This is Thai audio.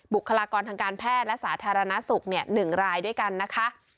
บุคลากรทางการแพทย์และสาธารณสุข๑รายด้วยกันนะคะ